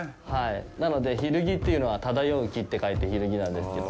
なので、ヒルギっていうのは漂う木って書いて漂木なんですけど。